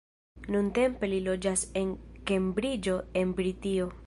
Nuntempe li loĝas en Kembriĝo en Britio.